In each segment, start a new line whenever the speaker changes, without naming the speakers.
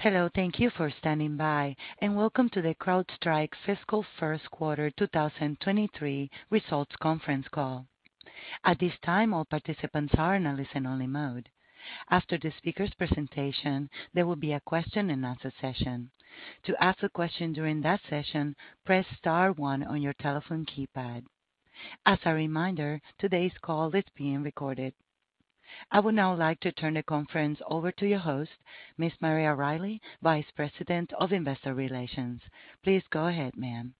Hello. Thank you for standing by, and welcome to the CrowdStrike Fiscal First Quarter 2023 Results Conference Call. At this time, all participants are in a listen only mode. After the speaker's presentation, there will be a question and answer session. To ask a question during that session, press star one on your telephone keypad. As a reminder, today's call is being recorded. I would now like to turn the conference over to your host, Ms. Maria Riley, Vice President of Investor Relations. Please go ahead, ma'am.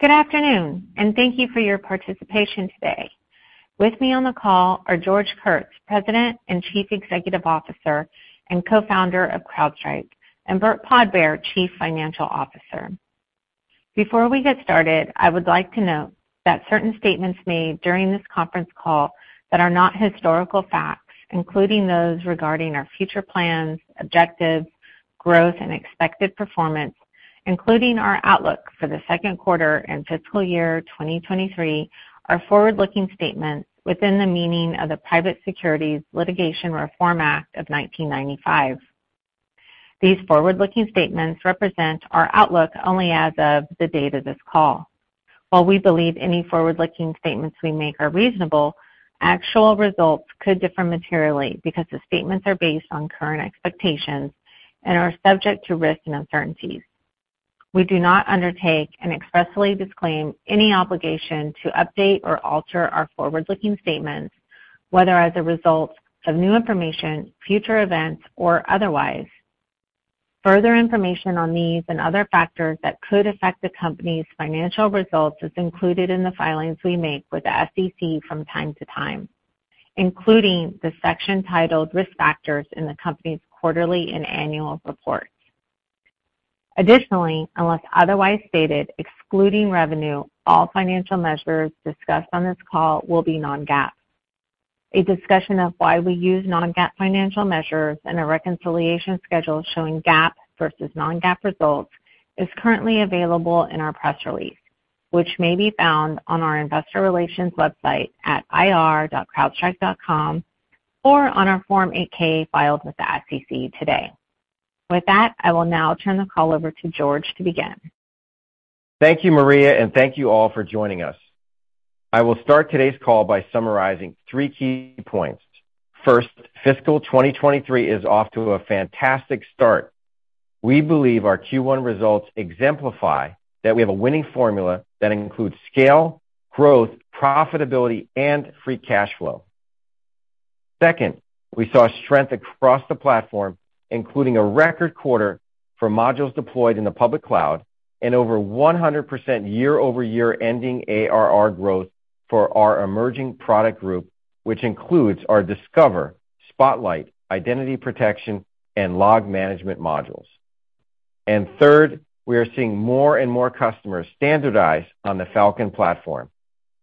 Good afternoon, and thank you for your participation today. With me on the call are George Kurtz, President and Chief Executive Officer and Co-Founder of CrowdStrike, and Burt Podbere, Chief Financial Officer. Before we get started, I would like to note that certain statements made during this conference call that are not historical facts, including those regarding our future plans, objectives, growth, and expected performance, including our outlook for the second quarter and fiscal year 2023, are forward-looking statements within the meaning of the Private Securities Litigation Reform Act of 1995. These forward-looking statements represent our outlook only as of the date of this call. While we believe any forward-looking statements we make are reasonable, actual results could differ materially because the statements are based on current expectations and are subject to risks and uncertainties. We do not undertake and expressly disclaim any obligation to update or alter our forward-looking statements, whether as a result of new information, future events, or otherwise. Further information on these and other factors that could affect the company's financial results is included in the filings we make with the SEC from time to time, including the section titled Risk Factors in the company's quarterly and annual reports. Additionally, unless otherwise stated, excluding revenue, all financial measures discussed on this call will be non-GAAP. A discussion of why we use non-GAAP financial measures and a reconciliation schedule showing GAAP versus non-GAAP results is currently available in our press release, which may be found on our investor relations website at ir.crowdstrike.com or on our Form 8-K filed with the SEC today. With that, I will now turn the call over to George to begin.
Thank you, Maria, and thank you all for joining us. I will start today's call by summarizing three key points. First, fiscal 2023 is off to a fantastic start. We believe our Q1 results exemplify that we have a winning formula that includes scale, growth, profitability, and free cash flow. Second, we saw strength across the platform, including a record quarter for modules deployed in the public cloud and over 100% year-over-year ending ARR growth for our emerging product group, which includes our Discover, Spotlight, Identity Protection, and LogScale modules. Third, we are seeing more and more customers standardize on the Falcon platform.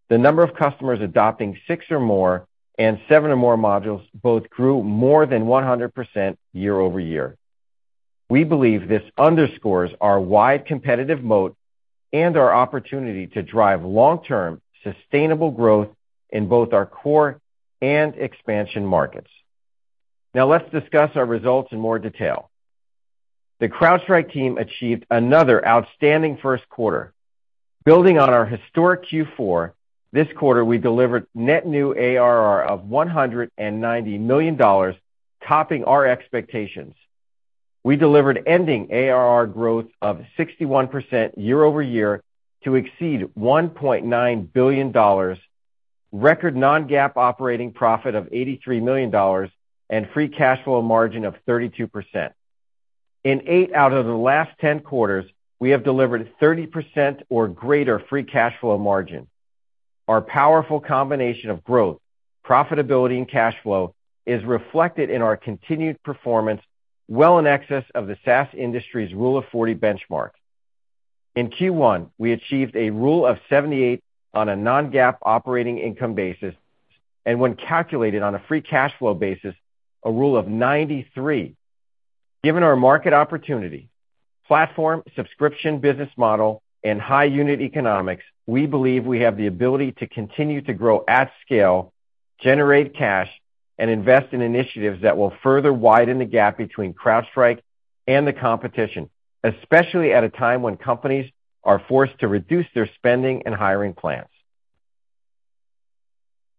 The number of customers adopting six or more and seven or more modules both grew more than 100% year-over-year. We believe this underscores our wide competitive moat and our opportunity to drive long-term sustainable growth in both our core and expansion markets. Now let's discuss our results in more detail. The CrowdStrike team achieved another outstanding first quarter. Building on our historic Q4, this quarter we delivered net new ARR of $190 million, topping our expectations. We delivered ending ARR growth of 61% year-over-year to exceed $1.9 billion, record non-GAAP operating profit of $83 million, and free cash flow margin of 32%. In eight out of the last 10 quarters, we have delivered 30% or greater free cash flow margin. Our powerful combination of growth, profitability, and cash flow is reflected in our continued performance well in excess of the SaaS industry's Rule of 40 benchmark. In Q1, we achieved a rule of 78 on a non-GAAP operating income basis, and when calculated on a free cash flow basis, a rule of 93. Given our market opportunity, platform subscription business model, and high unit economics, we believe we have the ability to continue to grow at scale, generate cash, and invest in initiatives that will further widen the gap between CrowdStrike and the competition, especially at a time when companies are forced to reduce their spending and hiring plans.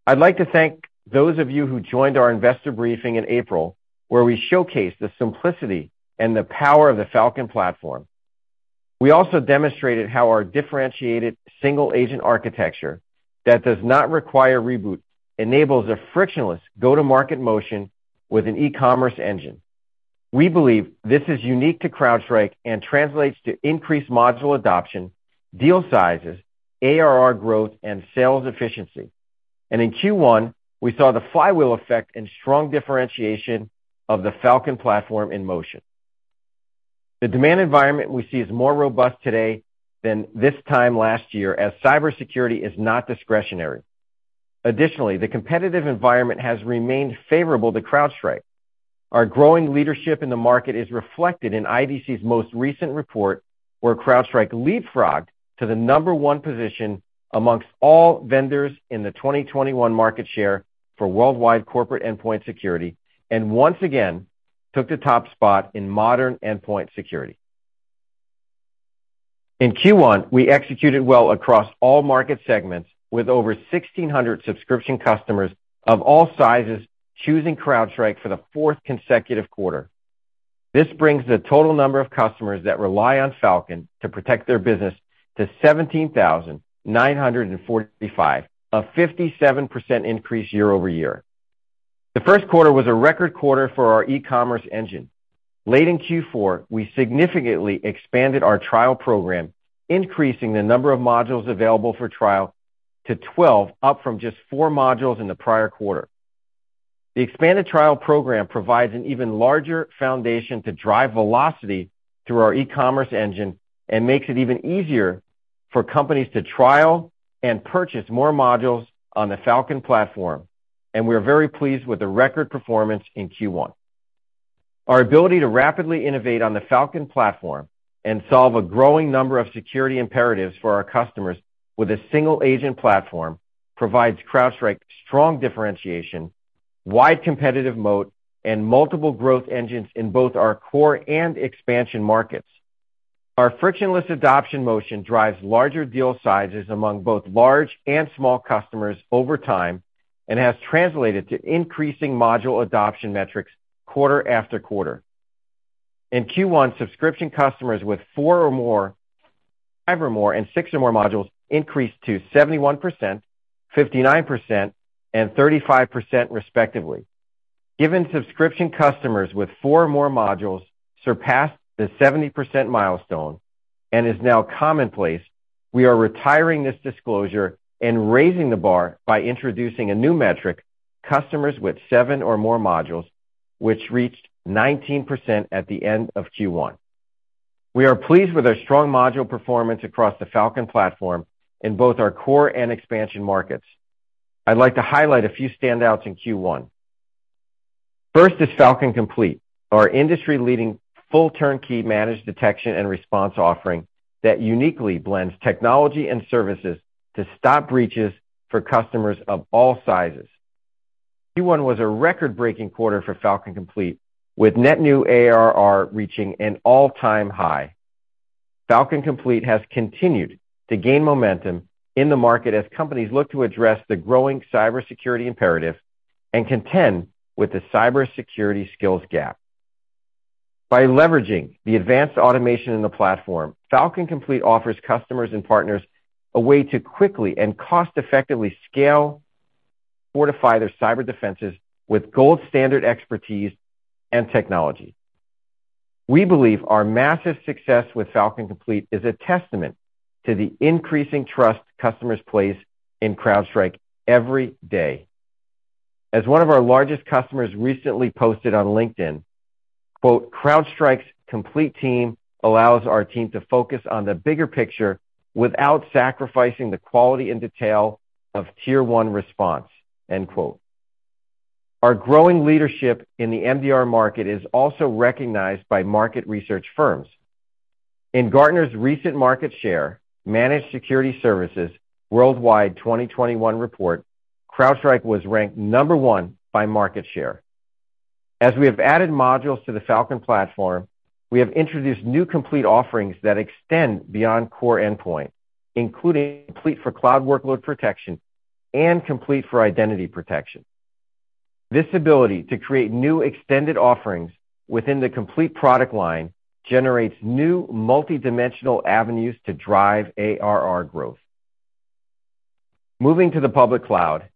I'd like to thank those of you who joined our investor briefing in April, where we showcased the simplicity and the power of the Falcon platform. We also demonstrated how our differentiated single agent architecture that does not require reboot enables a frictionless go-to-market motion with an e-commerce engine. We believe this is unique to CrowdStrike and translates to increased module adoption, deal sizes, ARR growth, and sales efficiency. In Q1, we saw the flywheel effect and strong differentiation of the Falcon platform in motion. The demand environment we see is more robust today than this time last year, as cybersecurity is not discretionary. Additionally, the competitive environment has remained favorable to CrowdStrike. Our growing leadership in the market is reflected in IDC's most recent report, where CrowdStrike leapfrogged to the number one position amongst all vendors in the 2021 market share for worldwide corporate endpoint security, and once again took the top spot in modern endpoint security. In Q1, we executed well across all market segments with over 1,600 subscription customers of all sizes choosing CrowdStrike for the fourth consecutive quarter. This brings the total number of customers that rely on Falcon to protect their business to 17,945, a 57% increase year-over-year. The first quarter was a record quarter for our e-commerce engine. Late in Q4, we significantly expanded our trial program, increasing the number of modules available for trial to 12, up from just four modules in the prior quarter. The expanded trial program provides an even larger foundation to drive velocity through our e-commerce engine and makes it even easier for companies to trial and purchase more modules on the Falcon platform, and we are very pleased with the record performance in Q1. Our ability to rapidly innovate on the Falcon platform and solve a growing number of security imperatives for our customers with a single agent platform provides CrowdStrike strong differentiation, wide competitive moat, and multiple growth engines in both our core and expansion markets. Our frictionless adoption motion drives larger deal sizes among both large and small customers over time and has translated to increasing module adoption metrics quarter after quarter. In Q1, subscription customers with four or more, five or more, and six or more modules increased to 71%, 59%, and 35% respectively. Given subscription customers with four more modules surpassed the 70% milestone and is now commonplace, we are retiring this disclosure and raising the bar by introducing a new metric, customers with seven or more modules, which reached 19% at the end of Q1. We are pleased with our strong module performance across the Falcon platform in both our core and expansion markets. I'd like to highlight a few standouts in Q1. First is Falcon Complete, our industry-leading full turnkey managed detection and response offering that uniquely blends technology and services to stop breaches for customers of all sizes. Q1 was a record-breaking quarter for Falcon Complete, with net new ARR reaching an all-time high. Falcon Complete has continued to gain momentum in the market as companies look to address the growing cybersecurity imperative and contend with the cybersecurity skills gap. By leveraging the advanced automation in the platform, Falcon Complete offers customers and partners a way to quickly and cost-effectively scale, fortify their cyber defenses with gold standard expertise and technology. We believe our massive success with Falcon Complete is a testament to the increasing trust customers place in CrowdStrike every day. As one of our largest customers recently posted on LinkedIn, "CrowdStrike's Falcon Complete team allows our team to focus on the bigger picture without sacrificing the quality and detail of tier one response." Our growing leadership in the MDR market is also recognized by market research firms. In Gartner's recent market share, Managed Security Services Worldwide 2021 report, CrowdStrike was ranked number one by market share. As we have added modules to the Falcon platform, we have introduced new Falcon Complete offerings that extend beyond core endpoint, including Complete for Cloud Workload Protection and Complete for Identity Protection. This ability to create new extended offerings within the Falcon Complete product line generates new multidimensional avenues to drive ARR growth. Moving to the public cloud,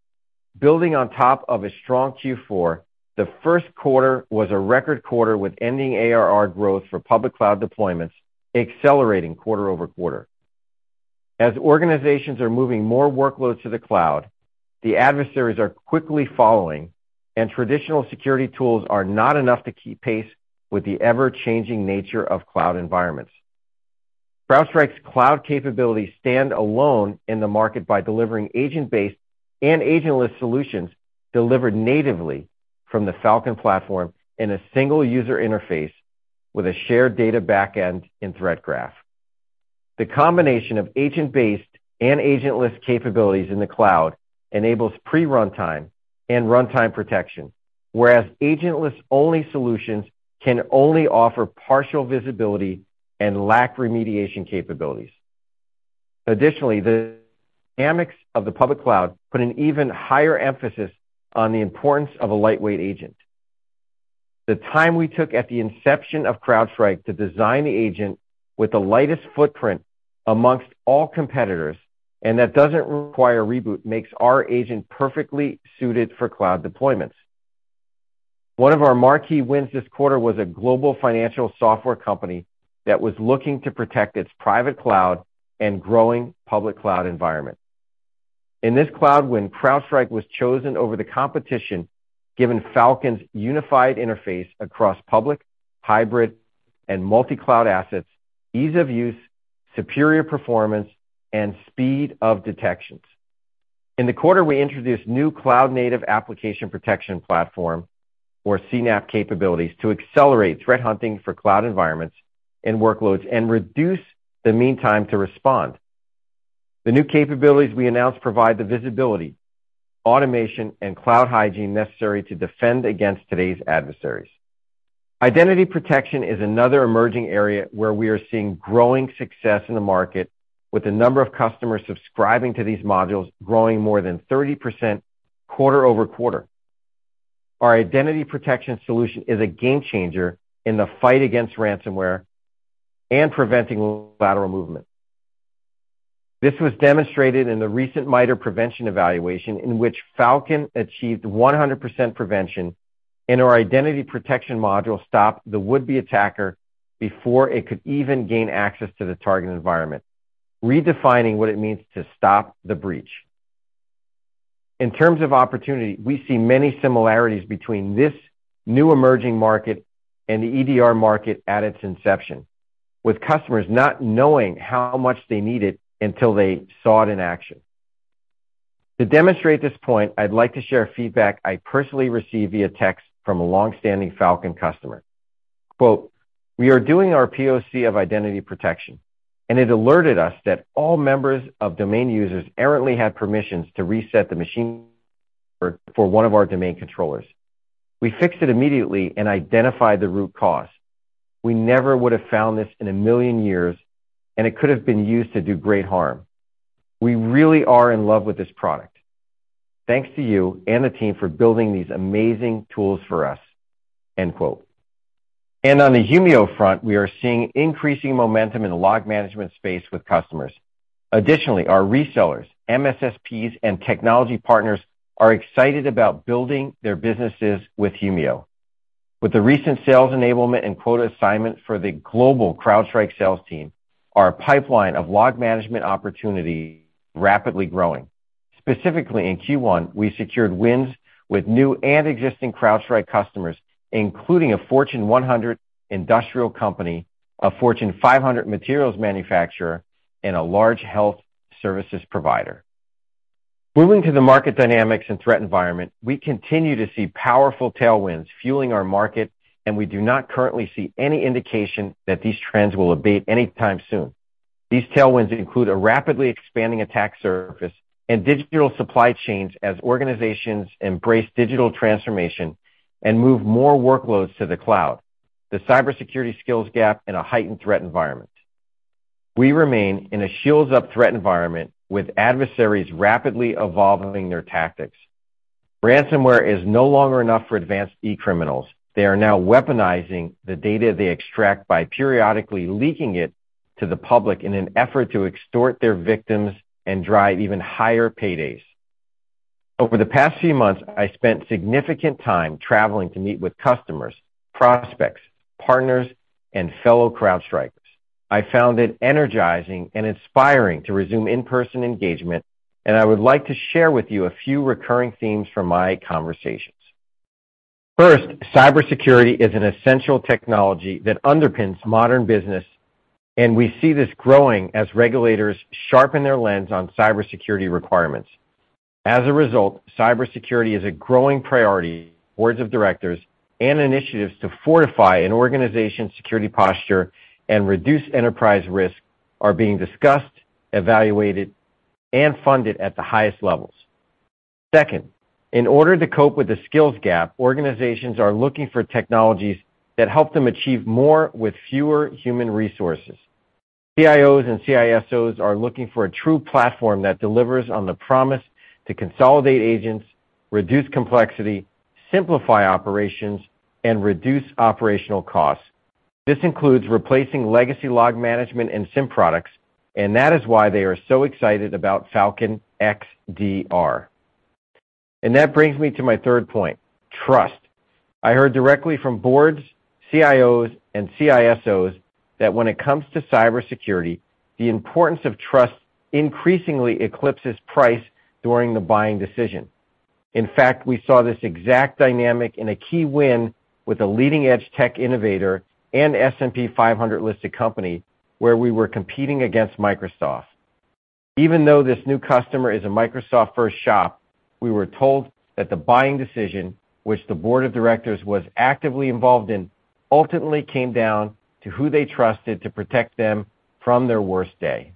building on top of a strong Q4, the first quarter was a record quarter with ending ARR growth for public cloud deployments accelerating quarter-over-quarter. As organizations are moving more workloads to the cloud, the adversaries are quickly following, and traditional security tools are not enough to keep pace with the ever-changing nature of cloud environments. CrowdStrike's cloud capabilities stand alone in the market by delivering agent-based and agentless solutions delivered natively from the Falcon platform in a single user interface with a shared data back end in Threat Graph. The combination of agent-based and agentless capabilities in the cloud enables pre-runtime and runtime protection, whereas agentless-only solutions can only offer partial visibility and lack remediation capabilities. Additionally, the dynamics of the public cloud put an even higher emphasis on the importance of a lightweight agent. The time we took at the inception of CrowdStrike to design the agent with the lightest footprint amongst all competitors, and that doesn't require reboot, makes our agent perfectly suited for cloud deployments. One of our marquee wins this quarter was a global financial software company that was looking to protect its private cloud and growing public cloud environment. In this cloud win, CrowdStrike was chosen over the competition, given Falcon's unified interface across public, hybrid and multi-cloud assets, ease of use, superior performance, and speed of detections. In the quarter, we introduced new cloud-native application protection platform or CNAPP capabilities to accelerate threat hunting for cloud environments and workloads and reduce the mean time to respond. The new capabilities we announced provide the visibility, automation, and cloud hygiene necessary to defend against today's adversaries. Identity protection is another emerging area where we are seeing growing success in the market with the number of customers subscribing to these modules growing more than 30% quarter-over-quarter. Our identity protection solution is a game changer in the fight against ransomware and preventing lateral movement. This was demonstrated in the recent MITRE prevention evaluation in which Falcon achieved 100% prevention, and our identity protection module stopped the would-be attacker before it could even gain access to the target environment, redefining what it means to stop the breach. In terms of opportunity, we see many similarities between this new emerging market and the EDR market at its inception, with customers not knowing how much they need it until they saw it in action. To demonstrate this point, I'd like to share feedback I personally received via text from a long-standing Falcon customer. Quote, "We are doing our POC of identity protection, and it alerted us that all members of domain users errantly had permissions to reset the machine for one of our domain controllers. We fixed it immediately and identified the root cause. We never would have found this in a million years, and it could have been used to do great harm. We really are in love with this product. Thanks to you and the team for building these amazing tools for us." End quote. On the Humio front, we are seeing increasing momentum in the log management space with customers. Additionally, our resellers, MSSPs, and technology partners are excited about building their businesses with Humio. With the recent sales enablement and quota assignment for the global CrowdStrike sales team, our pipeline of log management opportunity rapidly growing. Specifically, in Q1, we secured wins with new and existing CrowdStrike customers, including a Fortune 100 industrial company, a Fortune 500 materials manufacturer, and a large health services provider. Moving to the market dynamics and threat environment, we continue to see powerful tailwinds fueling our market, and we do not currently see any indication that these trends will abate anytime soon. These tailwinds include a rapidly expanding attack surface and digital supply chains as organizations embrace digital transformation and move more workloads to the cloud. The cybersecurity skills gap in a heightened threat environment. We remain in a shields-up threat environment with adversaries rapidly evolving their tactics. Ransomware is no longer enough for advanced e-criminals. They are now weaponizing the data they extract by periodically leaking it to the public in an effort to extort their victims and drive even higher paydays. Over the past few months, I spent significant time traveling to meet with customers, prospects, partners, and fellow CrowdStrikers. I found it energizing and inspiring to resume in-person engagement, and I would like to share with you a few recurring themes from my conversations. First, cybersecurity is an essential technology that underpins modern business, and we see this growing as regulators sharpen their lens on cybersecurity requirements. As a result, cybersecurity is a growing priority. Boards of directors and initiatives to fortify an organization's security posture and reduce enterprise risk are being discussed, evaluated, and funded at the highest levels. Second, in order to cope with the skills gap, organizations are looking for technologies that help them achieve more with fewer human resources. CIOs and CISOs are looking for a true platform that delivers on the promise to consolidate agents, reduce complexity, simplify operations, and reduce operational costs. This includes replacing legacy log management and SIEM products, and that is why they are so excited about Falcon XDR. That brings me to my third point, trust. I heard directly from boards, CIOs, and CISO that when it comes to cybersecurity, the importance of trust increasingly eclipses price during the buying decision. In fact, we saw this exact dynamic in a key win with a leading-edge tech innovator and S&P 500-listed company where we were competing against Microsoft. Even though this new customer is a Microsoft first shop, we were told that the buying decision, which the board of directors was actively involved in, ultimately came down to who they trusted to protect them from their worst day.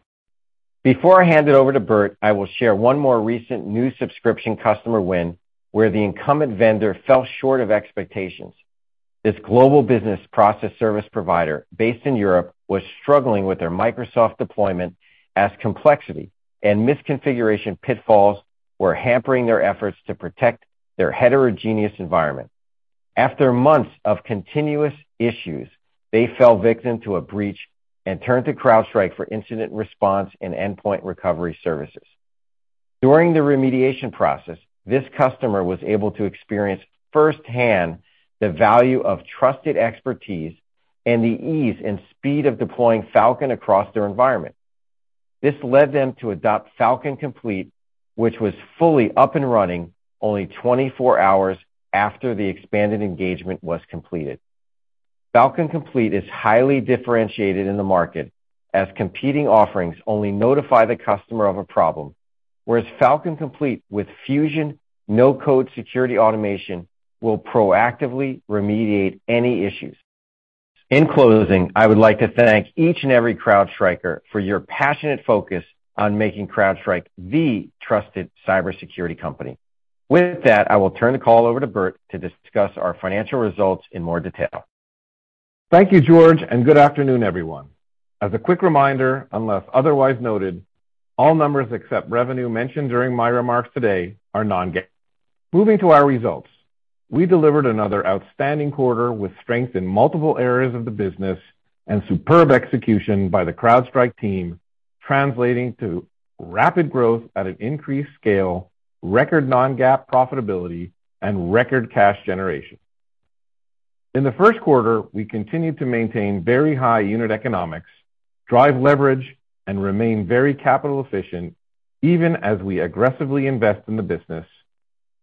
Before I hand it over to Burt, I will share one more recent new subscription customer win where the incumbent vendor fell short of expectations. This global business process service provider based in Europe was struggling with their Microsoft deployment as complexity and misconfiguration pitfalls were hampering their efforts to protect their heterogeneous environment. After months of continuous issues, they fell victim to a breach and turned to CrowdStrike for incident response and endpoint recovery services. During the remediation process, this customer was able to experience firsthand the value of trusted expertise and the ease and speed of deploying Falcon across their environment. This led them to adopt Falcon Complete, which was fully up and running only 24 hours after the expanded engagement was completed. Falcon Complete is highly differentiated in the market as competing offerings only notify the customer of a problem, whereas Falcon Complete with Fusion no-code security automation will proactively remediate any issues. In closing, I would like to thank each and every CrowdStriker for your passionate focus on making CrowdStrike the trusted cybersecurity company. With that, I will turn the call over to Burt to discuss our financial results in more detail.
Thank you, George, and good afternoon, everyone. As a quick reminder, unless otherwise noted, all numbers except revenue mentioned during my remarks today are non-GAAP. Moving to our results. We delivered another outstanding quarter with strength in multiple areas of the business and superb execution by the CrowdStrike team, translating to rapid growth at an increased scale, record non-GAAP profitability, and record cash generation. In the first quarter, we continued to maintain very high unit economics, drive leverage, and remain very capital efficient even as we aggressively invest in the business,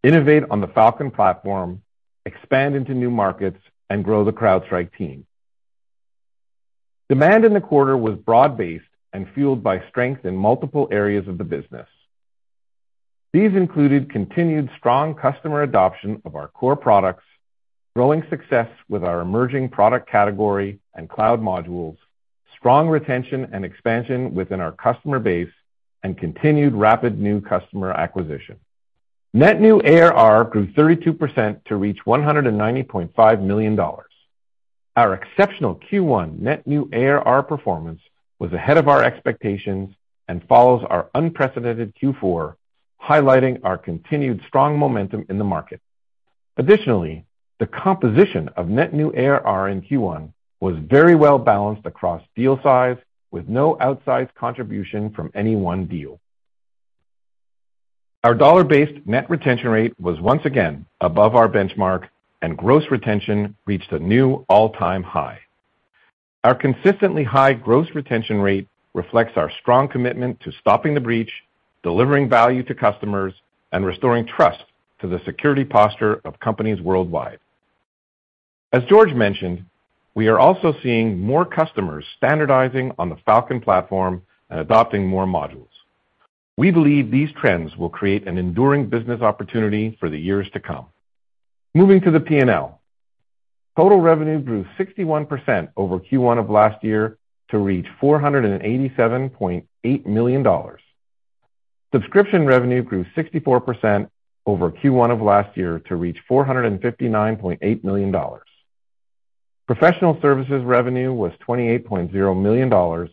innovate on the Falcon Platform, expand into new markets, and grow the CrowdStrike team. Demand in the quarter was broad-based and fueled by strength in multiple areas of the business. These included continued strong customer adoption of our core products, growing success with our emerging product category and cloud modules, strong retention and expansion within our customer base, and continued rapid new customer acquisition. Net new ARR grew 32% to reach $195 million. Our exceptional Q1 net new ARR performance was ahead of our expectations and follows our unprecedented Q4, highlighting our continued strong momentum in the market. Additionally, the composition of net new ARR in Q1 was very well balanced across deal size with no outsized contribution from any one deal. Our dollar-based net retention rate was once again above our benchmark, and gross retention reached a new all-time high. Our consistently high gross retention rate reflects our strong commitment to stopping the breach, delivering value to customers, and restoring trust to the security posture of companies worldwide. As George mentioned, we are also seeing more customers standardizing on the Falcon Platform and adopting more modules. We believe these trends will create an enduring business opportunity for the years to come. Moving to the P&L. Total revenue grew 61% over Q1 of last year to reach $487.8 million. Subscription revenue grew 64% over Q1 of last year to reach $459.8 million. Professional services revenue was $28.0 million,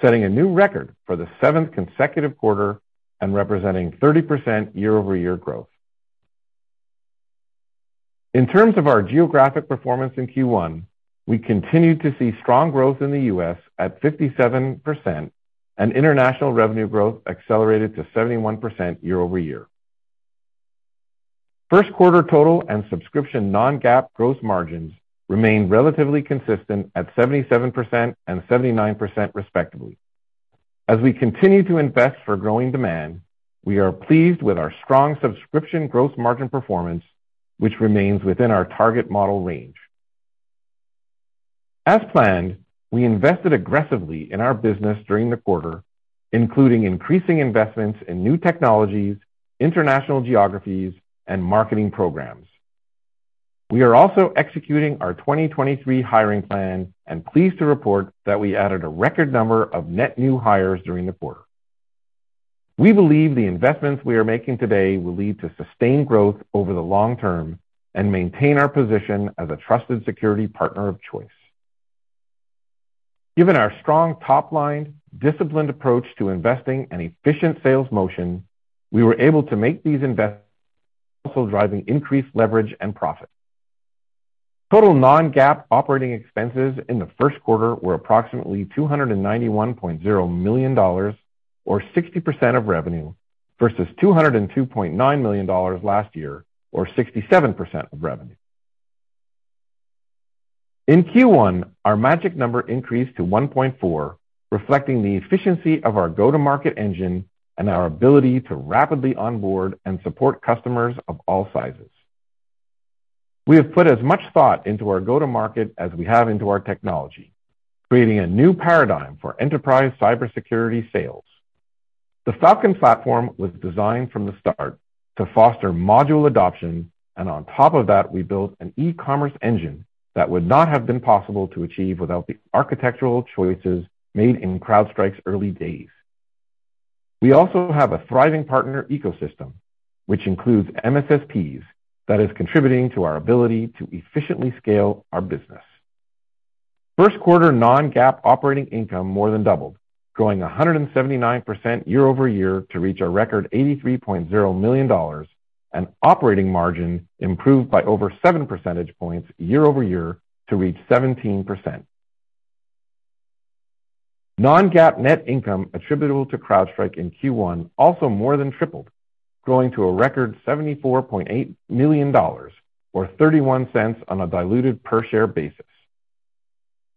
setting a new record for the seventh consecutive quarter and representing 30% year-over-year growth. In terms of our geographic performance in Q1, we continued to see strong growth in the U.S. at 57%, and international revenue growth accelerated to 71% year-over-year. First quarter total and subscription non-GAAP gross margins remained relatively consistent at 77% and 79%, respectively. As we continue to invest for growing demand, we are pleased with our strong subscription gross margin performance, which remains within our target model range. As planned, we invested aggressively in our business during the quarter, including increasing investments in new technologies, international geographies, and marketing programs. We are also executing our 2023 hiring plan and pleased to report that we added a record number of net new hires during the quarter. We believe the investments we are making today will lead to sustained growth over the long term and maintain our position as a trusted security partner of choice. Given our strong top line, disciplined approach to investing, and efficient sales motion, we were able to make these investments, also driving increased leverage and profit. Total non-GAAP operating expenses in the first quarter were approximately $291.0 million or 60% of revenue, versus $202.9 million last year, or 67% of revenue. In Q1, our magic number increased to 1.4, reflecting the efficiency of our go-to-market engine and our ability to rapidly onboard and support customers of all sizes. We have put as much thought into our go-to-market as we have into our technology, creating a new paradigm for enterprise cybersecurity sales. The Falcon Platform was designed from the start to foster module adoption, and on top of that, we built an e-commerce engine that would not have been possible to achieve without the architectural choices made in CrowdStrike's early days. We also have a thriving partner ecosystem, which includes MSSPs, that is contributing to our ability to efficiently scale our business. First quarter non-GAAP operating income more than doubled, growing 179% year-over-year to reach a record $83.0 million, and operating margin improved by over 7 percentage points year-over-year to reach 17%. Non-GAAP net income attributable to CrowdStrike in Q1 also more than tripled, growing to a record $74.8 million, or $0.31 on a diluted per-share basis.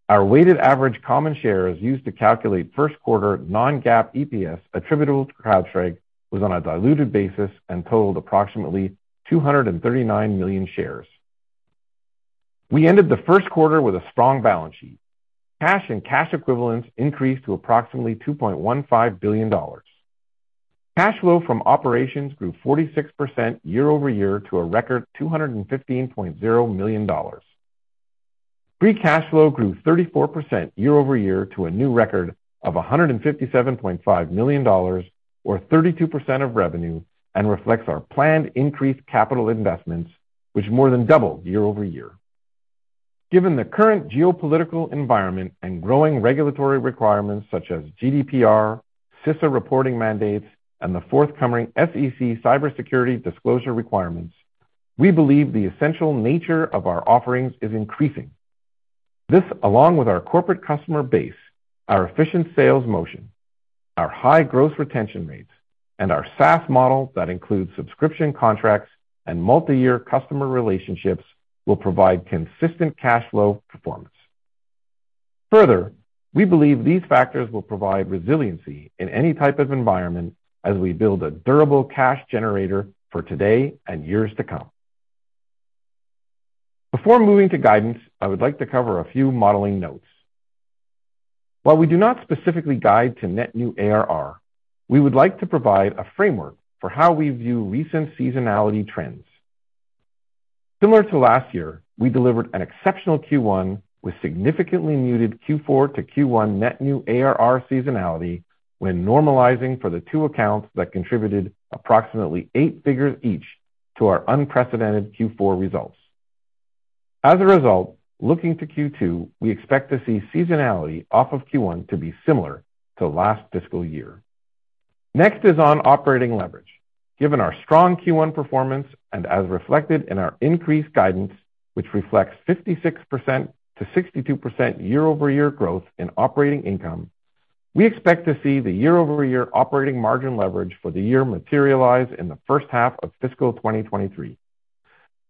Our weighted average common shares used to calculate first quarter non-GAAP EPS attributable to CrowdStrike was on a diluted basis and totaled approximately 239 million shares. We ended the first quarter with a strong balance sheet. Cash and cash equivalents increased to approximately $2.15 billion. Cash flow from operations grew 46% year-over-year to a record $215.0 million. Free cash flow grew 34% year-over-year to a new record of $157.5 million, or 32% of revenue, and reflects our planned increased capital investments, which more than doubled year-over-year. Given the current geopolitical environment and growing regulatory requirements such as GDPR, CISA reporting mandates, and the forthcoming SEC cybersecurity disclosure requirements, we believe the essential nature of our offerings is increasing. This, along with our corporate customer base, our efficient sales motion, our high gross retention rates, and our SaaS model that includes subscription contracts and multi-year customer relationships, will provide consistent cash flow performance. Further, we believe these factors will provide resiliency in any type of environment as we build a durable cash generator for today and years to come. Before moving to guidance, I would like to cover a few modeling notes. While we do not specifically guide to net new ARR, we would like to provide a framework for how we view recent seasonality trends. Similar to last year, we delivered an exceptional Q1 with significantly muted Q4 to Q1 net new ARR seasonality when normalizing for the two accounts that contributed approximately eight figures each to our unprecedented Q4 results. As a result, looking to Q2, we expect to see seasonality off of Q1 to be similar to last fiscal year. Next is on operating leverage. Given our strong Q1 performance and as reflected in our increased guidance, which reflects 56%-62% year-over-year growth in operating income, we expect to see the year-over-year operating margin leverage for the year materialize in the first half of fiscal 2023.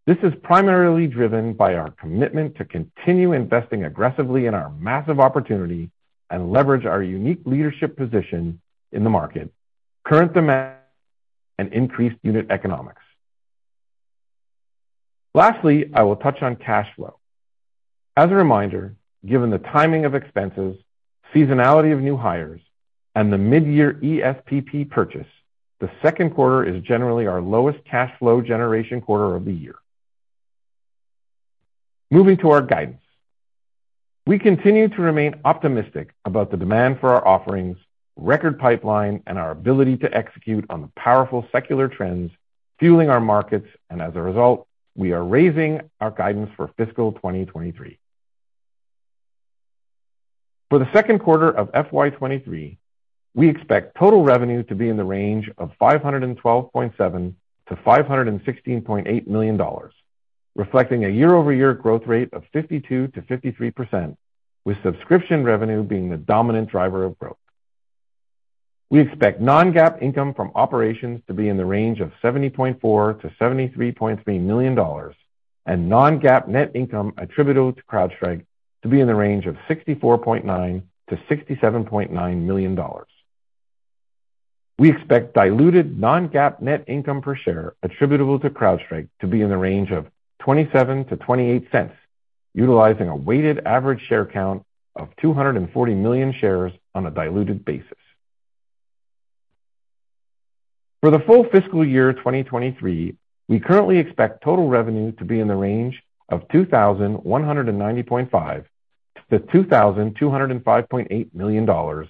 This is primarily driven by our commitment to continue investing aggressively in our massive opportunity and leverage our unique leadership position in the market, current demand, and increased unit economics. Lastly, I will touch on cash flow. As a reminder, given the timing of expenses, seasonality of new hires, and the mid-year ESPP purchase, the second quarter is generally our lowest cash flow generation quarter of the year. Moving to our guidance. We continue to remain optimistic about the demand for our offerings, record pipeline, and our ability to execute on the powerful secular trends fueling our markets, and as a result, we are raising our guidance for fiscal 2023. For the second quarter of FY 2023, we expect total revenue to be in the range of $512.7 million-$516.8 million, reflecting a year-over-year growth rate of 52%-53%, with subscription revenue being the dominant driver of growth. We expect non-GAAP income from operations to be in the range of $70.4 million-$73.3 million and non-GAAP net income attributable to CrowdStrike to be in the range of $64.9 million-$67.9 million. We expect diluted non-GAAP net income per share attributable to CrowdStrike to be in the range of $0.27-$0.28, utilizing a weighted average share count of 240 million shares on a diluted basis. For the full fiscal year 2023, we currently expect total revenue to be in the range of $2,190.5 million-$2,205.8 million,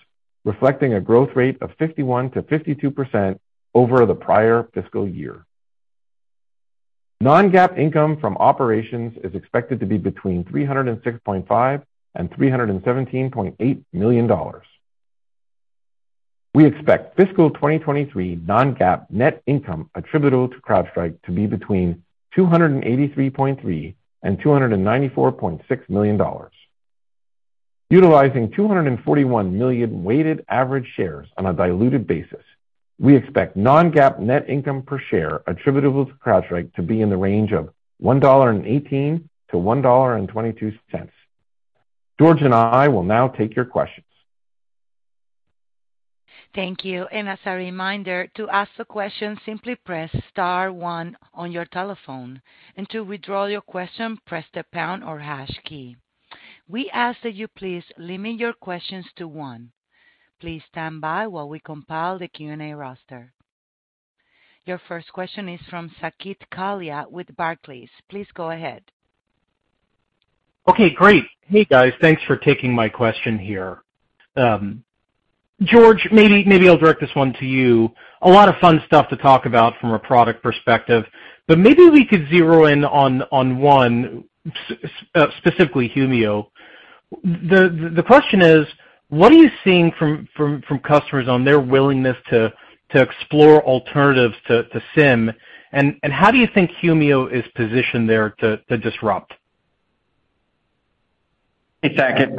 reflecting a growth rate of 51%-52% over the prior fiscal year. Non-GAAP income from operations is expected to be between $306.5 million and $317.8 million. We expect fiscal 2023 non-GAAP net income attributable to CrowdStrike to be between $283.3 million and $294.6 million. Utilizing 241 million weighted average shares on a diluted basis, we expect non-GAAP net income per share attributable to CrowdStrike to be in the range of $1.18-$1.22. George and I will now take your questions.
Thank you. As a reminder, to ask a question simply press star one on your telephone, and to withdraw your question, press the pound or hash key. We ask that you please limit your questions to one. Please stand by while we compile the Q&A roster. Your first question is from Saket Kalia with Barclays. Please go ahead.
Okay, great. Hey, guys. Thanks for taking my question here. George, maybe I'll direct this one to you. A lot of fun stuff to talk about from a product perspective, but maybe we could zero in on one, specifically Humio. The question is, what are you seeing from customers on their willingness to explore alternatives to SIEM? How do you think Humio is positioned there to disrupt?
Hey, Saket.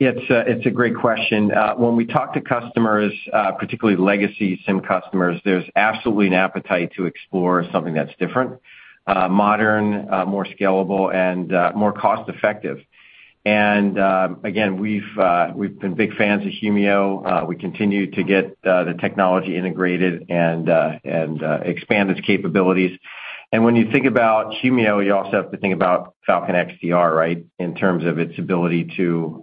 It's a great question. When we talk to customers, particularly legacy SIEM customers, there's absolutely an appetite to explore something that's different.
Modern, more scalable and more cost effective. Again, we've been big fans of Humio. We continue to get the technology integrated and expand its capabilities. When you think about Humio, you also have to think about Falcon XDR, right? In terms of its ability to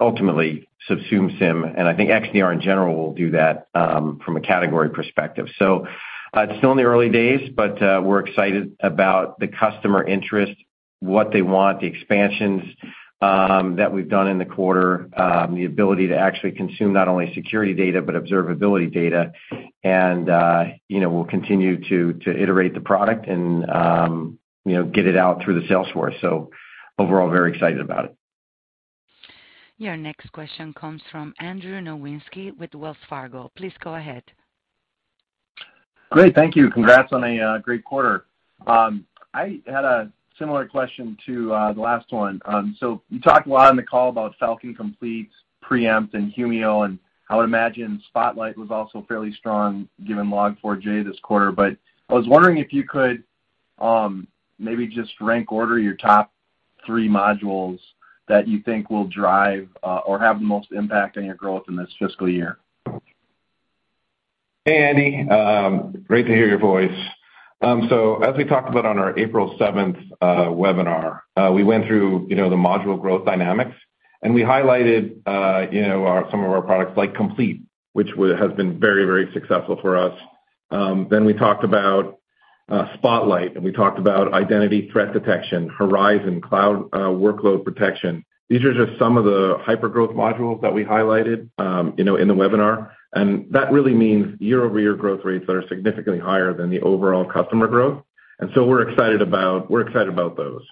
ultimately subsume SIEM, and I think XDR in general will do that, from a category perspective. It's still in the early days, but we're excited about the customer interest, what they want, the expansions that we've done in the quarter, the ability to actually consume not only security data, but observability data. You know, we'll continue to iterate the product and, you know, get it out through the sales force. Overall, very excited about it.
Your next question comes from Andrew Nowinski with Wells Fargo. Please go ahead.
Great. Thank you. Congrats on a great quarter. I had a similar question to the last one. You talked a lot on the call about Falcon Complete, Preempt, and Humio, and I would imagine Spotlight was also fairly strong given Log4j this quarter. I was wondering if you could maybe just rank order your top three modules that you think will drive or have the most impact on your growth in this fiscal year.
Hey, Andy. Great to hear your voice. So as we talked about on our April seventh webinar, we went through, you know, the module growth dynamics, and we highlighted, you know, some of our products like Complete, which has been very, very successful for us. Then we talked about Spotlight, and we talked about Identity Threat Detection, Horizon Cloud, Workload Protection. These are just some of the hypergrowth modules that we highlighted, you know, in the webinar, and that really means year-over-year growth rates that are significantly higher than the overall customer growth. We're excited about those.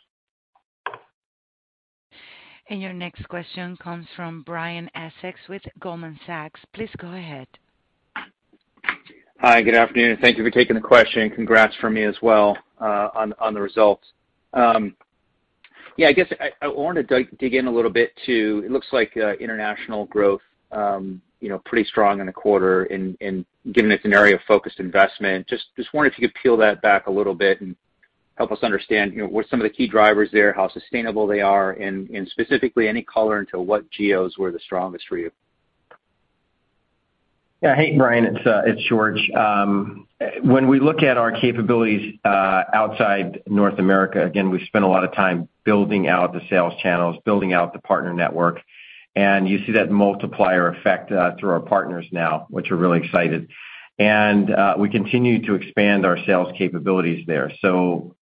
Your next question comes from Brian Essex with Goldman Sachs. Please go ahead.
Hi. Good afternoon. Thank you for taking the question. Congrats from me as well, on the results. Yeah, I guess I wanna dig in a little bit. It looks like international growth, you know, pretty strong in the quarter given a scenario-focused investment. Just wondering if you could peel that back a little bit and help us understand, you know, what some of the key drivers there, how sustainable they are, and specifically any color into what geos were the strongest for you.
Yeah. Hey, Brian. It's George. When we look at our capabilities outside North America, again, we've spent a lot of time building out the sales channels, building out the partner network, and you see that multiplier effect through our partners now, which we're really excited. We continue to expand our sales capabilities there.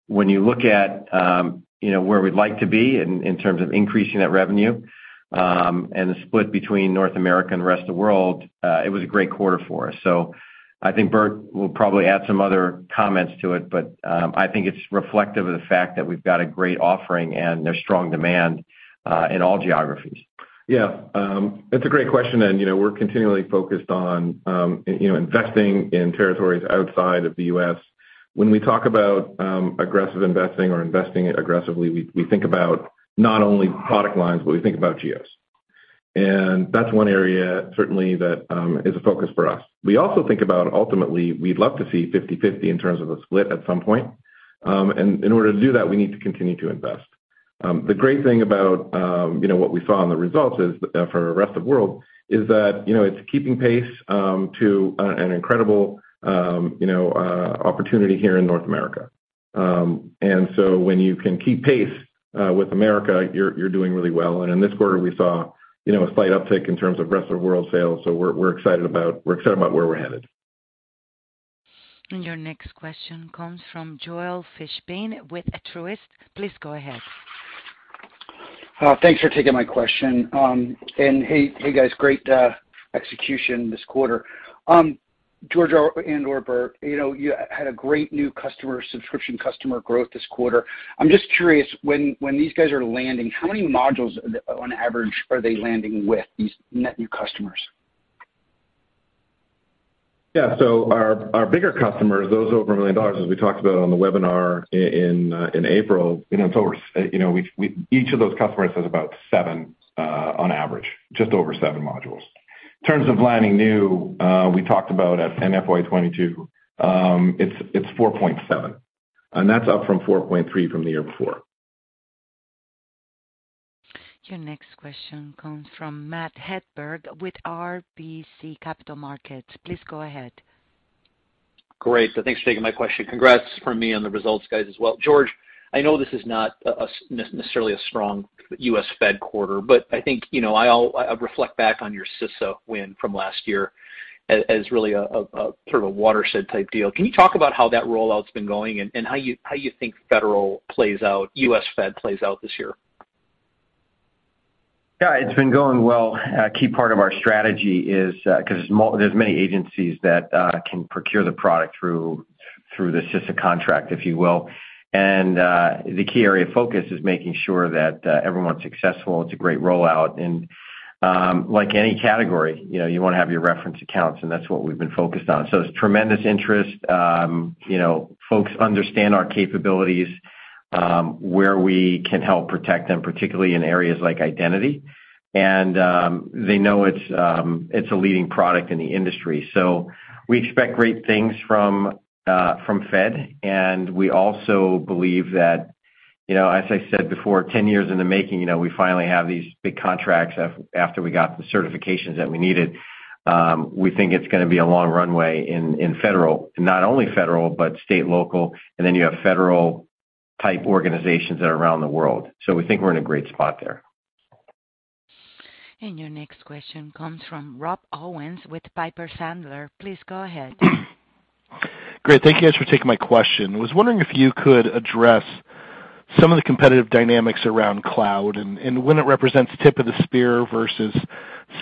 When you look at, you know, where we'd like to be in terms of increasing that revenue and the split between North America and the rest of the world, it was a great quarter for us. I think Burt will probably add some other comments to it, but I think it's reflective of the fact that we've got a great offering and there's strong demand in all geographies. Yeah. That's a great question. You know, we're continually focused on you know, investing in territories outside of the U.S. When we talk about aggressive investing or investing aggressively, we think about not only product lines, but we think about geos. That's one area certainly that is a focus for us. We also think about ultimately, we'd love to see 50/50 in terms of a split at some point. In order to do that, we need to continue to invest. The great thing about what we saw in the results is, for rest of world, that you know, it's keeping pace to an incredible you know, opportunity here in North America. When you can keep pace with America, you're doing really well. In this quarter, we saw, you know, a slight uptick in terms of rest of world sales. We're excited about where we're headed.
Your next question comes from Joel Fishbein with Truist. Please go ahead.
Thanks for taking my question. Hey guys, great execution this quarter. George or Burt, you know, you had a great new customer subscription customer growth this quarter. I'm just curious, when these guys are landing, how many modules on average are they landing with these net new customers?
Yeah. Our bigger customers, those over $1 million, as we talked about on the webinar in April, you know, each of those customers has about seven, on average, just over seven modules. In terms of landing new, we talked about at FY 2022, it's 4.7, and that's up from 4.3 from the year before.
Your next question comes from Matt Hedberg with RBC Capital Markets. Please go ahead.
Great. Thanks for taking my question. Congrats from me on the results guys as well. George, I know this is not necessarily a strong U.S. Fed quarter, but I think, you know, I'll reflect back on your CISA win from last year as really a sort of watershed type deal. Can you talk about how that rollout's been going and how you think U.S. Fed plays out this year?
Yeah, it's been going well. A key part of our strategy is, there's many agencies that can procure the product through the CISA contract, if you will. The key area of focus is making sure that everyone's successful. It's a great rollout. Like any category, you know, you wanna have your reference accounts, and that's what we've been focused on. It's tremendous interest. You know, folks understand our capabilities, where we can help protect them, particularly in areas like identity. They know it's a leading product in the industry. We expect great things from Fed. We also believe that, you know, as I said before, 10 years in the making, you know, we finally have these big contracts after we got the certifications that we needed. We think it's gonna be a long runway in federal. Not only federal, but state, local, and then you have federal-type organizations that are around the world. We think we're in a great spot there.
Your next question comes from Rob Owens with Piper Sandler. Please go ahead.
Great. Thank you guys for taking my question. Was wondering if you could address some of the competitive dynamics around cloud and when it represents tip of the spear versus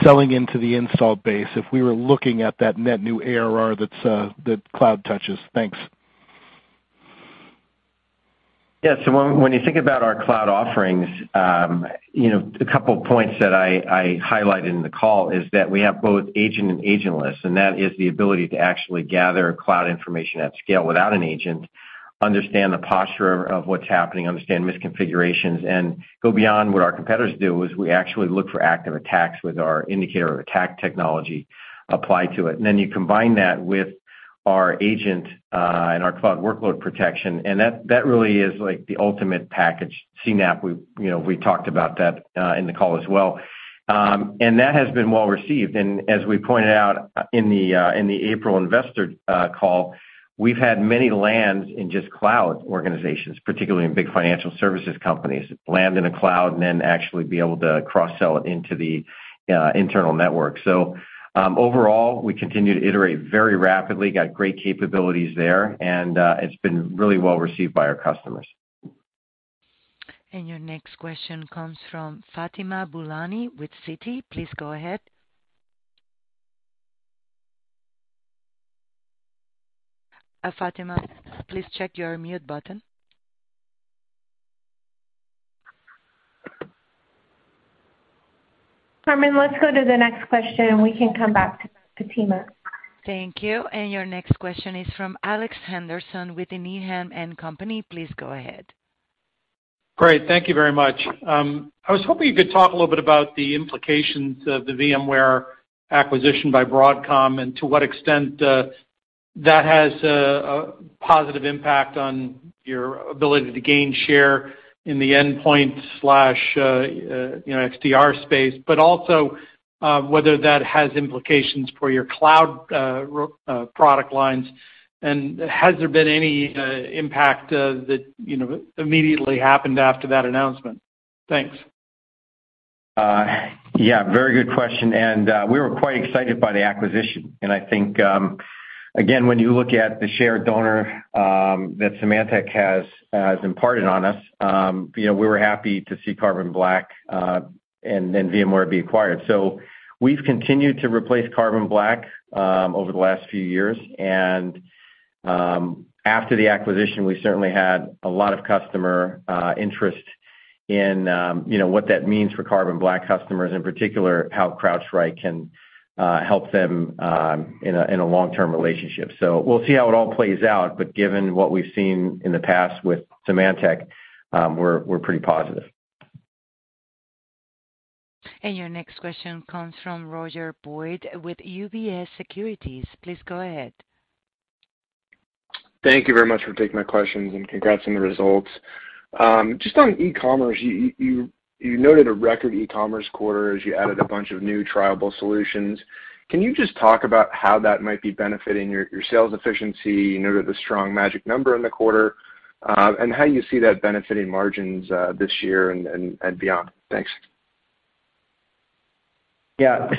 selling into the install base, if we were looking at that net new ARR that's that cloud touches. Thanks.
Yes. When you think about our cloud offerings, you know, a couple of points that I highlighted in the call is that we have both agent and agentless, and that is the ability to actually gather cloud information at scale without an agent, understand the posture of what's happening, understand misconfigurations, and go beyond what our competitors do, is we actually look for active attacks with our indicator attack technology applied to it. Then you combine that with our agent, and our cloud workload protection, and that really is like the ultimate package. CNAPP, you know, we talked about that in the call as well. That has been well received. As we pointed out in the April investor call, we've had many lands in just cloud organizations, particularly in big financial services companies, land in a cloud and then actually be able to cross-sell it into the internal network. Overall, we continue to iterate very rapidly, got great capabilities there, and it's been really well received by our customers.
Your next question comes from Fatima Boolani with Citi. Please go ahead. Fatima, please check your mute button.
Carmen, let's go to the next question, and we can come back to Fatima.
Thank you. Your next question is from Alex Henderson with Needham & Company. Please go ahead.
Great. Thank you very much. I was hoping you could talk a little bit about the implications of the VMware acquisition by Broadcom and to what extent that has a positive impact on your ability to gain share in the endpoint slash you know XDR space, but also whether that has implications for your cloud product lines. Has there been any impact that you know immediately happened after that announcement? Thanks.
Yeah, very good question. We were quite excited by the acquisition. I think, again, when you look at the shareholder that Symantec has imparted on us, you know, we were happy to see Carbon Black and then VMware be acquired. We've continued to replace Carbon Black over the last few years. After the acquisition, we certainly had a lot of customer interest in, you know, what that means for Carbon Black customers, in particular, how CrowdStrike can help them in a long-term relationship. We'll see how it all plays out. Given what we've seen in the past with Symantec, we're pretty positive.
Your next question comes from Roger Boyd with UBS Securities. Please go ahead.
Thank you very much for taking my questions, and congrats on the results. Just on e-commerce, you noted a record e-commerce quarter as you added a bunch of new trial solutions. Can you just talk about how that might be benefiting your sales efficiency? You noted the strong magic number in the quarter, and how you see that benefiting margins this year and beyond. Thanks.
Yeah.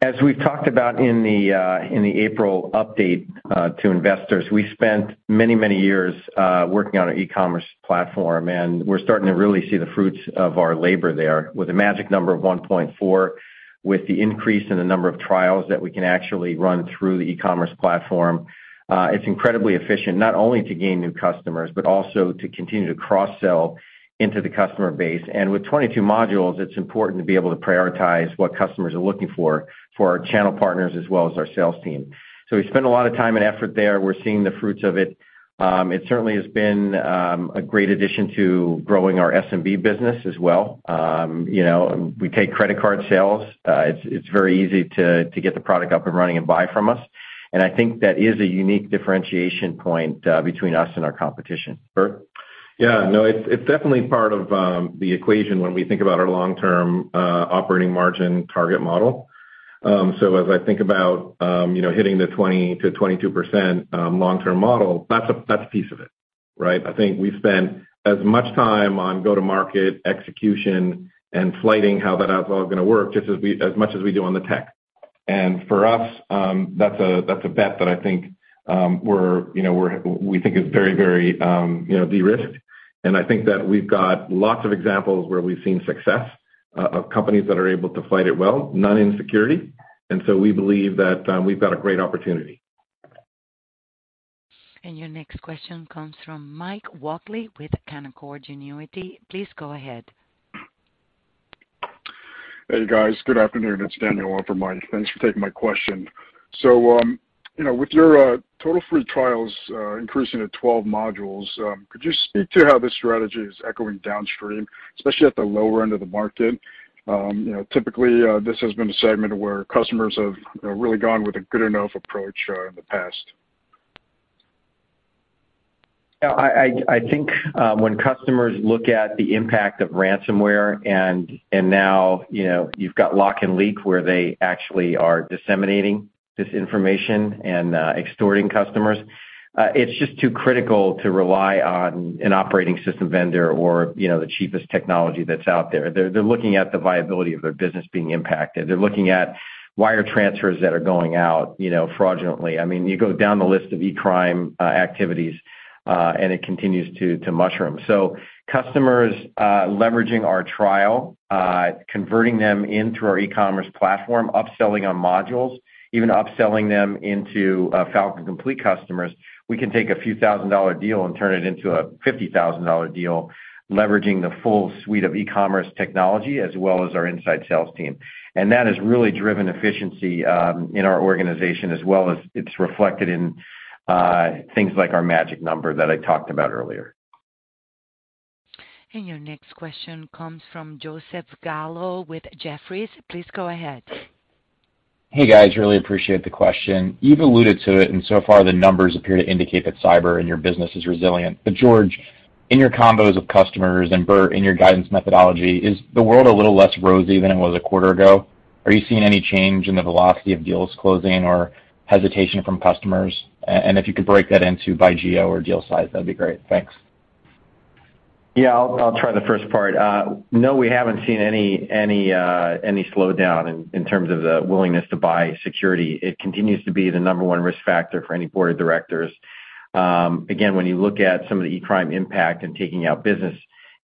As we've talked about in the April update to investors, we spent many years working on our e-commerce platform, and we're starting to really see the fruits of our labor there with a magic number of 1.4. With the increase in the number of trials that we can actually run through the e-commerce platform, it's incredibly efficient not only to gain new customers but also to continue to cross-sell into the customer base. With 22 modules, it's important to be able to prioritize what customers are looking for our channel partners as well as our sales team. We spend a lot of time and effort there. We're seeing the fruits of it. It certainly has been a great addition to growing our SMB business as well. You know, we take credit card sales. It's very easy to get the product up and running and buy from us. I think that is a unique differentiation point between us and our competition. Burt?
Yeah. No, it's definitely part of the equation when we think about our long-term operating margin target model. As I think about you know, hitting the 20%-22% long-term model, that's a piece of it, right? I think we spend as much time on go-to-market execution and flighting how that app's all gonna work just as much as we do on the tech. For us, that's a bet that I think we're you know we think is very de-risked. I think that we've got lots of examples where we've seen success of companies that are able to flight it well, not in security. We believe that we've got a great opportunity.
Your next question comes from Mike Walkley with Canaccord Genuity. Please go ahead.
Hey guys, good afternoon. It's Daniel on for Mike. Thanks for taking my question. You know, with your total free trials increasing to 12 modules, could you speak to how this strategy is echoing downstream, especially at the lower end of the market? You know, typically, this has been a segment where customers have really gone with a good enough approach in the past.
I think when customers look at the impact of ransomware and now, you know, you've got lock and leak where they actually are disseminating this information and extorting customers, it's just too critical to rely on an operating system vendor or, you know, the cheapest technology that's out there. They're looking at the viability of their business being impacted. They're looking at wire transfers that are going out, you know, fraudulently. I mean, you go down the list of e-crime activities, and it continues to mushroom. Customers, leveraging our trial, converting them into our e-commerce platform, upselling on modules, even upselling them into Falcon Complete customers, we can take a few thousand dollar deal and turn it into a $50,000 dollar deal, leveraging the full suite of e-commerce technology as well as our inside sales team. That has really driven efficiency in our organization as well as it's reflected in things like our magic number that I talked about earlier.
Your next question comes from Joseph Gallo with Jefferies. Please go ahead.
Hey, guys, really appreciate the question. You've alluded to it, and so far the numbers appear to indicate that cyber in your business is resilient. George, in your convos of customers and Burt, in your guidance methodology, is the world a little less rosy than it was a quarter ago? Are you seeing any change in the velocity of deals closing or hesitation from customers? And if you could break that into by geo or deal size, that'd be great. Thanks.
Yeah, I'll try the first part. No, we haven't seen any slowdown in terms of the willingness to buy security. It continues to be the number one risk factor for any board of directors. Again, when you look at some of the cybercrime impact and taking out business,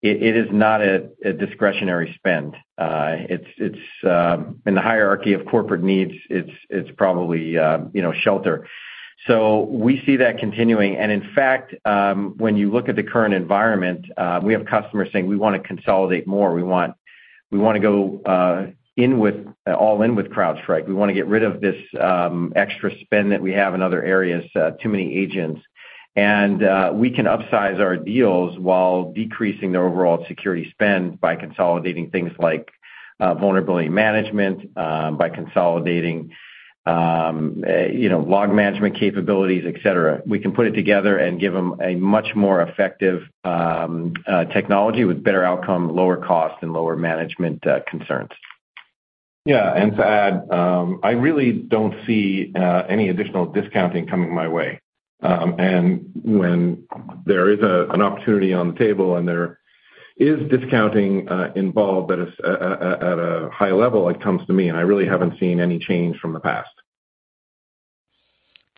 it is not a discretionary spend. It's in the hierarchy of corporate needs, it's probably, you know, shelter. So we see that continuing. In fact, when you look at the current environment, we have customers saying, "We wanna consolidate more. We wanna go all in with CrowdStrike. We wanna get rid of this, extra spend that we have in other areas, too many agents." We can upsize our deals while decreasing their overall security spend by consolidating things like vulnerability management, by consolidating you know log management capabilities, et cetera. We can put it together and give them a much more effective technology with better outcome, lower cost and lower management concerns.
To add, I really don't see any additional discounting coming my way. When there is an opportunity on the table and there is discounting involved at a high level, it comes to me, and I really haven't seen any change from the past.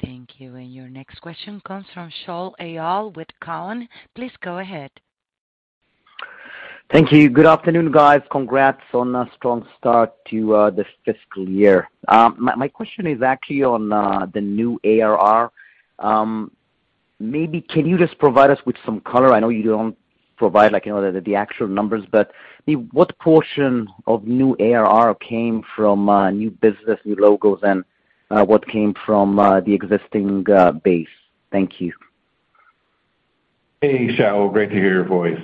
Thank you. Your next question comes from Shaul Eyal with Cowen. Please go ahead.
Thank you. Good afternoon, guys. Congrats on a strong start to this fiscal year. My question is actually on the new ARR. Maybe can you just provide us with some color? I know you don't provide like, you know, the actual numbers, but what portion of new ARR came from new business, new logos, and what came from the existing base? Thank you.
Hey, Shaul, great to hear your voice.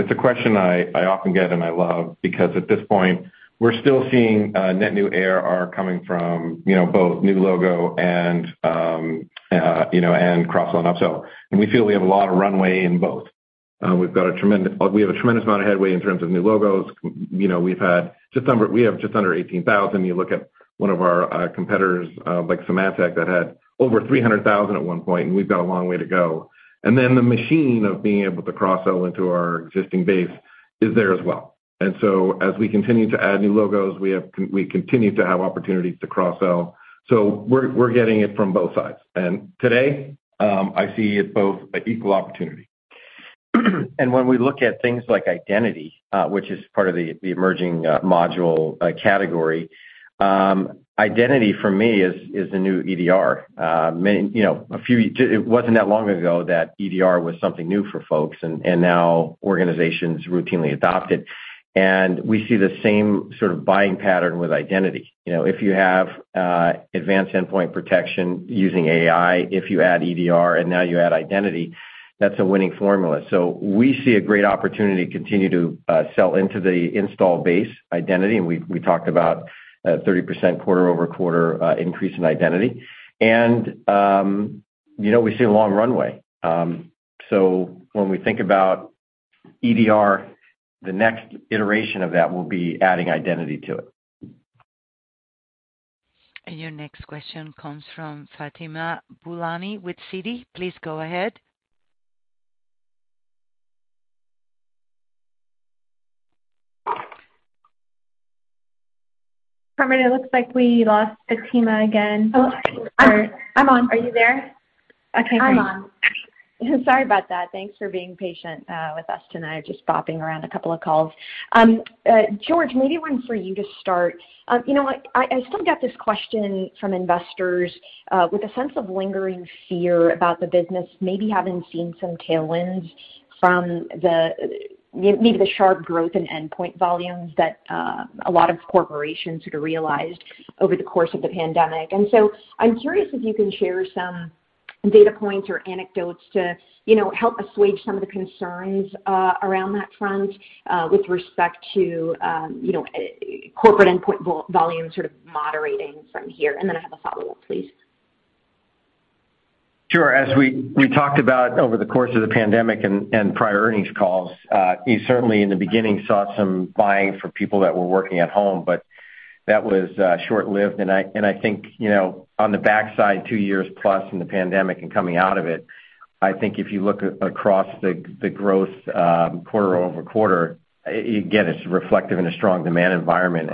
It's a question I often get and I love because at this point, we're still seeing net new ARR coming from, you know, both new logo and cross-sell and upsell. We feel we have a lot of runway in both. We have a tremendous amount of headway in terms of new logos. You know, we have just under 18,000. You look at one of our competitors like Symantec that had over 300,000 at one point, and we've got a long way to go. Then the machine of being able to cross-sell into our existing base is there as well. We continue to have opportunities to cross-sell. We're getting it from both sides. Today, I see it as equal opportunity.
When we look at things like identity, which is part of the emerging module category, identity for me is the new EDR. It wasn't that long ago that EDR was something new for folks and now organizations routinely adopt it. We see the same sort of buying pattern with identity. You know, if you have advanced endpoint protection using AI, if you add EDR and now you add identity, that's a winning formula. We see a great opportunity to continue to sell into the install base identity, and we talked about 30% quarter-over-quarter increase in identity. You know, we see a long runway. When we think about EDR, the next iteration of that will be adding identity to it.
Your next question comes from Fatima Boolani with Citi. Please go ahead.
Operator, it looks like we lost Fatima again.
I'm on.
Are you there?
I'm on. Sorry about that. Thanks for being patient with us tonight. Just bopping around a couple of calls. George, maybe one for you to start. You know what? I still get this question from investors with a sense of lingering fear about the business, maybe having seen some tailwinds from the maybe the sharp growth in endpoint volumes that a lot of corporations sort of realized over the course of the pandemic. So I'm curious if you can share some data points or anecdotes to you know help assuage some of the concerns around that front with respect to you know corporate endpoint volume sort of moderating from here. Then I have a follow-up, please.
Sure. As we talked about over the course of the pandemic and prior earnings calls, you certainly in the beginning saw some buying from people that were working at home, but that was short-lived. I think, you know, on the back end, two years plus in the pandemic and coming out of it, I think if you look across the growth quarter-over-quarter, again, it's reflective of a strong demand environment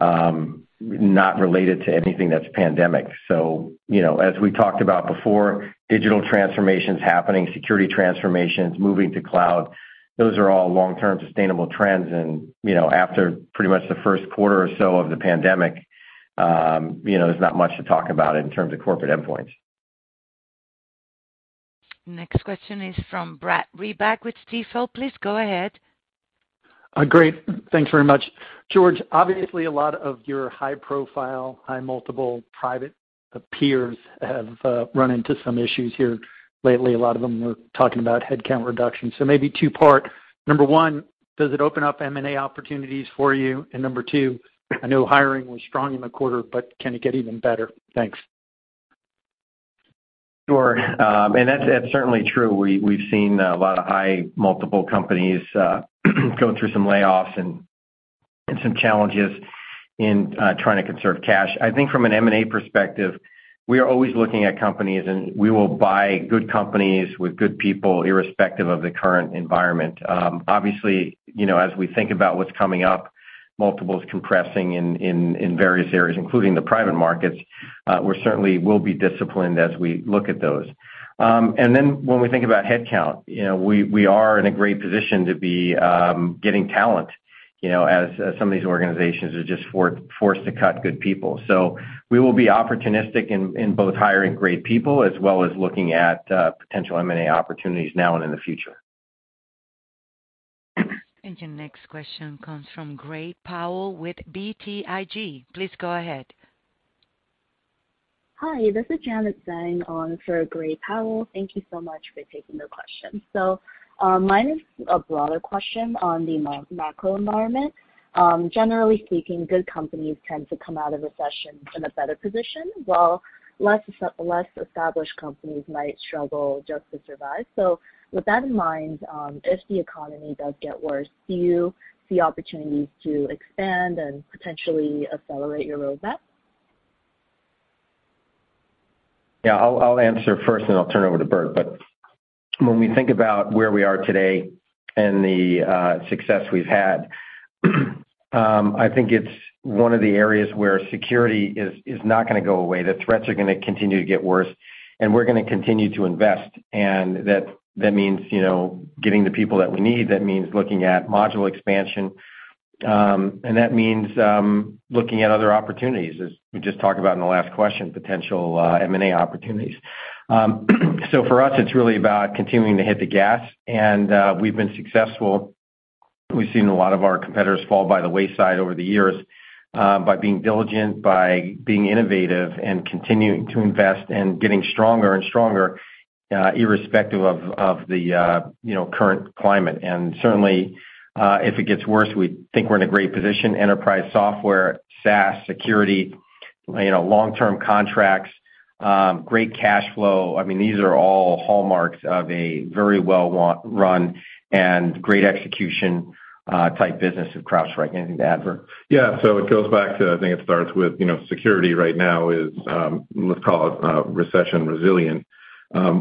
and not related to anything that's pandemic. You know, as we talked about before, digital transformation's happening, security transformation's moving to cloud. Those are all long-term sustainable trends. You know, after pretty much the first quarter or so of the pandemic, you know, there's not much to talk about in terms of corporate endpoints.
Next question is from Brad Reback with Stifel. Please go ahead.
Great. Thanks very much. George, obviously a lot of your high profile, high multiple private peers have run into some issues here lately. A lot of them were talking about headcount reduction. Maybe two-part. Number one, does it open up M&A opportunities for you? Number two, I know hiring was strong in the quarter, but can it get even better? Thanks.
Sure. That's certainly true. We've seen a lot of high multiple companies go through some layoffs and some challenges in trying to conserve cash. I think from an M&A perspective, we are always looking at companies, and we will buy good companies with good people, irrespective of the current environment. Obviously, you know, as we think about what's coming up, multiples compressing in various areas, including the private markets, we certainly will be disciplined as we look at those. When we think about headcount, you know, we are in a great position to be getting talent, you know, as some of these organizations are just forced to cut good people. We will be opportunistic in both hiring great people as well as looking at potential M&A opportunities now and in the future.
Your next question comes from Gray Powell with BTIG. Please go ahead.
Hi, this is Janet Zhang on for Gray Powell. Thank you so much for taking the question. Mine is a broader question on the macro environment. Generally speaking, good companies tend to come out of recession in a better position, while less established companies might struggle just to survive. With that in mind, if the economy does get worse, do you see opportunities to expand and potentially accelerate your roadmap?
Yeah. I'll answer first then I'll turn over to Burt. When we think about where we are today and the success we've had, I think it's one of the areas where security is not gonna go away. The threats are gonna continue to get worse, and we're gonna continue to invest. That means, you know, getting the people that we need. That means looking at module expansion. That means looking at other opportunities, as we just talked about in the last question, potential M&A opportunities. So for us it's really about continuing to hit the gas. We've been successful. We've seen a lot of our competitors fall by the wayside over the years, by being diligent, by being innovative and continuing to invest and getting stronger and stronger, irrespective of the current climate. Certainly, if it gets worse, we think we're in a great position. Enterprise software, SaaS, security, you know, long-term contracts, great cash flow, I mean, these are all hallmarks of a very well-run and great execution type business at CrowdStrike. Anything to add, Burt?
Yeah. It goes back to, I think it starts with, you know, security right now is, let's call it, recession resilient.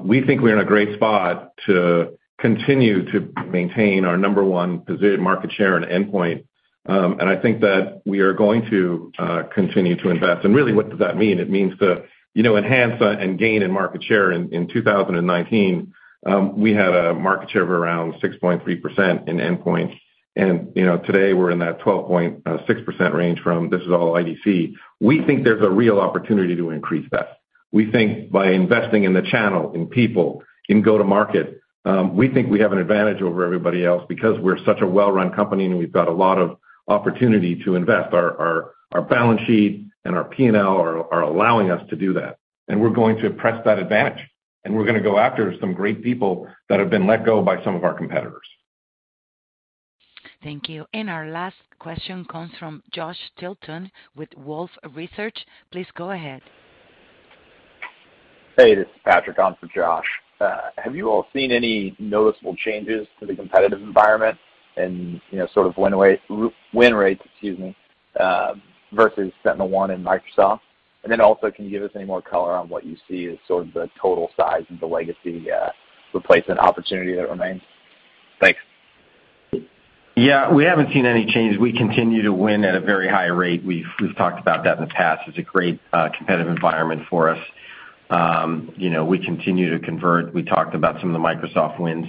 We think we're in a great spot to continue to maintain our number one position market share and endpoint. I think that we are going to continue to invest. Really what does that mean? It means to, you know, enhance and gain in market share. In 2019, we had a market share of around 6.3% in endpoint. You know, today we're in that 12.6% range. This is all IDC. We think there's a real opportunity to increase that. We think by investing in the channel, in people, in go-to market, we think we have an advantage over everybody else because we're such a well-run company and we've got a lot of opportunity to invest. Our balance sheet and our P&L are allowing us to do that, and we're going to press that advantage, and we're gonna go after some great people that have been let go by some of our competitors.
Thank you. Our last question comes from Josh Tilton with Wolfe Research. Please go ahead.
Hey, this is Patrick on for Josh. Have you all seen any noticeable changes to the competitive environment and, you know, sort of win rates, excuse me, versus SentinelOne and Microsoft? Can you give us any more color on what you see as sort of the total size of the legacy replacement opportunity that remains? Thanks.
Yeah. We haven't seen any change. We continue to win at a very high rate. We've talked about that in the past. It's a great competitive environment for us. You know, we continue to convert. We talked about some of the Microsoft wins.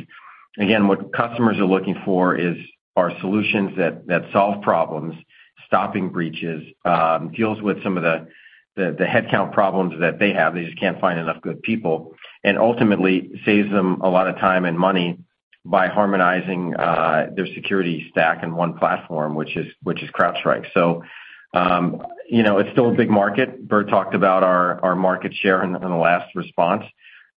Again, what customers are looking for is our solutions that solve problems, stopping breaches, deals with some of the headcount problems that they have. They just can't find enough good people, and ultimately saves them a lot of time and money by harmonizing their security stack in one platform, which is CrowdStrike. You know, it's still a big market. Burt talked about our market share in the last response.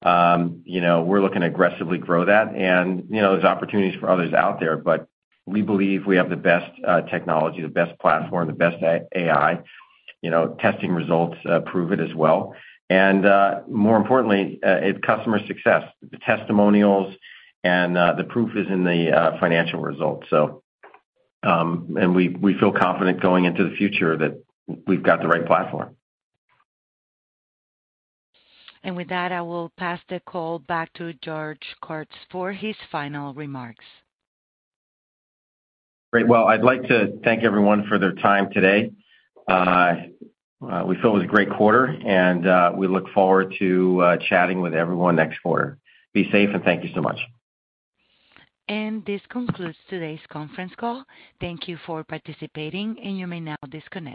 You know, we're looking to aggressively grow that and, you know, there's opportunities for others out there, but we believe we have the best technology, the best platform, the best AI. You know, testing results prove it as well. More importantly, customer success. The testimonials and the proof is in the financial results. We feel confident going into the future that we've got the right platform.
With that, I will pass the call back to George Kurtz for his final remarks.
Great. Well, I'd like to thank everyone for their time today. We feel it was a great quarter, and we look forward to chatting with everyone next quarter. Be safe, and thank you so much.
This concludes today's conference call. Thank you for participating, and you may now disconnect.